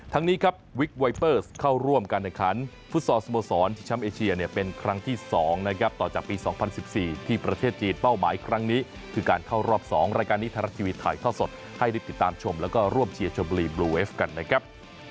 ทางนี้วิกไวเปอร์เข้าร่วมกันในขันฟุตซอสโมสรที่ช้ำเอเชียเป็นครั้งที่๒ต่อจากปี๒๐๑๔ที่ประเทศจีนเป้าหมายครั้งนี้คือการเข้ารอบ๒รายการนิทราบทีวีถ่ายท่าสดให้ได้ติดตามชมและร่วมเชียร์ชมบลีบลูเวฟกันนะครับ